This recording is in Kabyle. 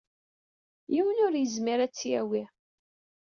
Yiwen ur yezmir ad tt-yawey.